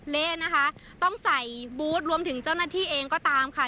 เละนะคะต้องใส่บูธรวมถึงเจ้าหน้าที่เองก็ตามค่ะ